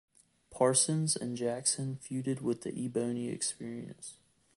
Parsons and Jackson feuded with The Ebony Experience.